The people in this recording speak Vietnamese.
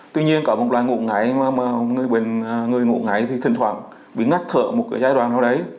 tuy nhiên có một loại ngủ ngáy mà người ngủ ngáy thì thỉnh thoảng bị ngắt thở một giai đoạn nào đấy